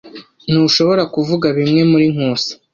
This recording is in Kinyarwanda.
Ntushobora kuvuga bimwe muri Nkusi?